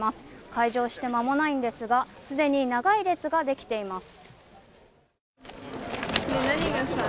開場して間もないんですが既に長い列ができています。